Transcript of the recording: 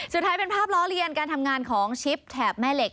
สุดท้ายเป็นภาพล้อเลียนการทำงานของชิปแถบแม่เหล็ก